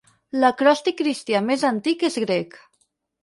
L'acròstic cristià més antic és grec.